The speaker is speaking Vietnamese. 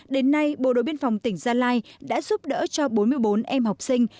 đến nay bộ đội biên phòng tỉnh gia lai đã giúp đỡ cho bốn mươi bốn em học sinh